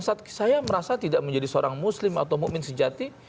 saya merasa tidak menjadi seorang muslim atau mu'min sejati